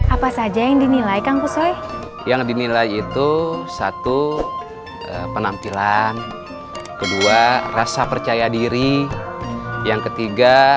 apa saja yang dinilai kang kusele yang dinilai itu satu penampilan kedua rasa percaya diri yang ketiga